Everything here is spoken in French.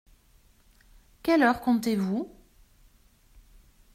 Quelle heure comptez-vous ?